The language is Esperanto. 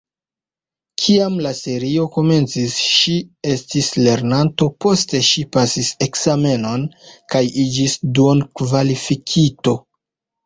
Kiam la serio komencis, ŝi estis lernanto, poste ŝi pasis ekzamenon kaj iĝis duon-kvalifikito.